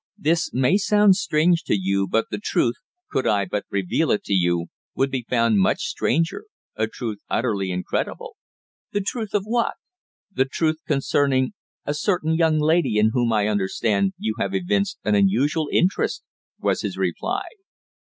"This may sound strange to you, but the truth, could I but reveal it to you, would be found much stranger a truth utterly incredible." "The truth of what?" "The truth concerning a certain young lady in whom, I understand, you have evinced an unusual interest," was his reply.